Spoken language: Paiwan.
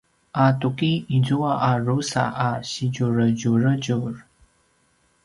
a tuki izua a drusa a sidjuredjuredjur